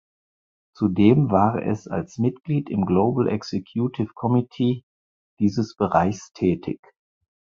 Zudem war es als Mitglied im Global Executive Committee dieses Bereichs tätig.